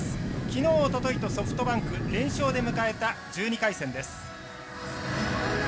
きのう、おとといとソフトバンク連勝で迎えた１２回戦です。